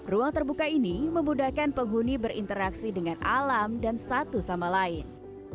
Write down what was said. ruang terbuka ini memudahkan penghuni berinteraksi dengan alam dan satu sama lain